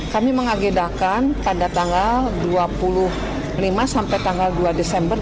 kami mengagendakan pada tanggal dua puluh lima sampai tanggal dua desember